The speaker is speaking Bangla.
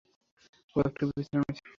ও একটু বিশ্রাম নিচ্ছে।